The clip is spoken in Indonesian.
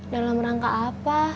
dalam rangka apa